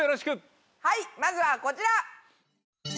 はい、まずはこちら！